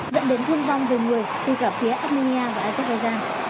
dẫn đến thương vong về người từ cả phía armenia và azerbaijan